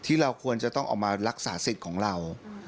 ที่เราควรจะต้องออกมารักษาสิทธิ์ของเรา